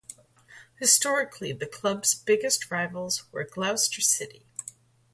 Historically, the club's biggest rivals are Gloucester City.